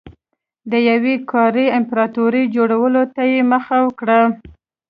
د یوې قاره يي امپراتورۍ جوړولو ته یې مخه کړه.